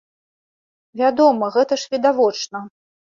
Вядома, гэта ж відавочна.